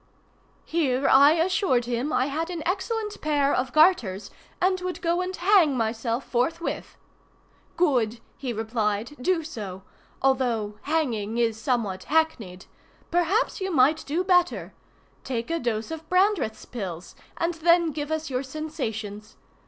Here I assured him I had an excellent pair of garters, and would go and hang myself forthwith. "Good!" he replied, "do so;—although hanging is somewhat hacknied. Perhaps you might do better. Take a dose of Brandreth's pills, and then give us your sensations.